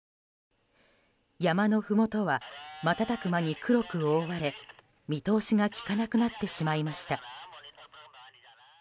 山のふもとは瞬く間に黒く覆われ見通しがきかなくなってしまいました。